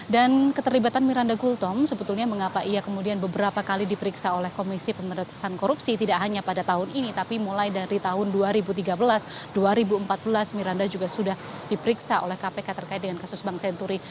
dan keterlibatan miranda gultom sebetulnya mengapa ia kemudian beberapa kali diperiksa oleh komisi pemerintahan korupsi tidak hanya pada tahun ini tapi mulai dari tahun dua ribu tiga belas dua ribu empat belas miranda juga sudah diperiksa oleh kpk terkait dengan kasus bank senturi